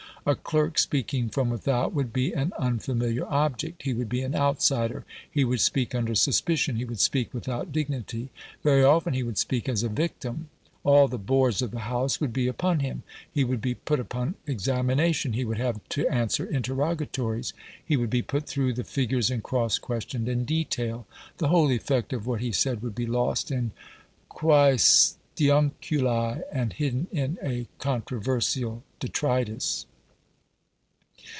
A clerk speaking from without would be an unfamiliar object. He would be an outsider. He would speak under suspicion; he would speak without dignity. Very often he would speak as a victim. All the bores of the House would be upon him. He would be put upon examination. He would have to answer interrogatories. He would be put through the figures and cross questioned in detail. The whole effect of what he said would be lost in quaestiunculae and hidden in a controversial detritus.